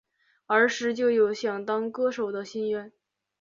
儿时就有想当歌手的心愿。